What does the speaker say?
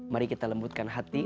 mari kita lembutkan hati